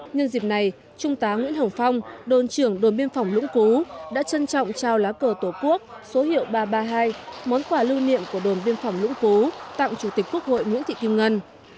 nhân dịp này trung tá nguyễn hồng phong đồn trưởng đồn biên phòng lũng cú đã trân trọng trao lá cờ tổ quốc số hiệu ba trăm ba mươi hai món quà lưu niệm của đồn biên phòng lũng phú tặng chủ tịch quốc hội nguyễn thị kim ngân